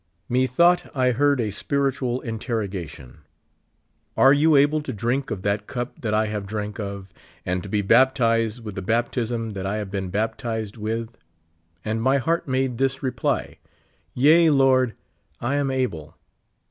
Methought I heard a spiritual interrogation : "Are you able to drink of that cup that I have drank of? and to be baptized with the baptism that I have been baptized with ? And my heart made this reply : Yea, Lord, I am able.